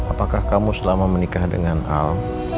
apakah kamu selama menikah dengan al